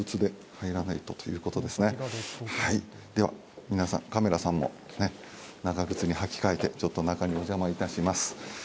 では、カメラさんも長靴にはき替えて、中にお邪魔します。